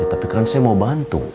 tapi kan saya mau bantu